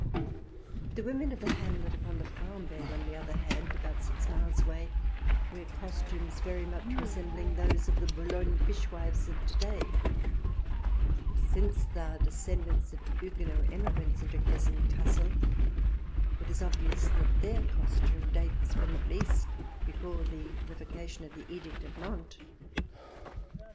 The women of the hamlet upon the Frauenberg, on the other hand, about six miles away, wear costumes very much resembling those of the Boulogne fishwives of to day ; and since they are descendants of Huguenot emigrants into Hessen Cassel, it is obvious that their costume dates from at least before the Revocation of the Edict of Nantes.